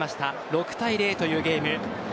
６対０というゲーム。